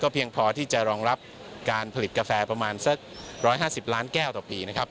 เพียงพอที่จะรองรับการผลิตกาแฟประมาณสัก๑๕๐ล้านแก้วต่อปีนะครับ